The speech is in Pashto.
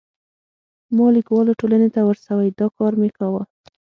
ما لیکوالو ټولنې ته ورسوی، دا کار مې کاوه.